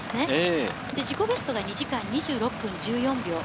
自己ベストが２時間２６分１４秒。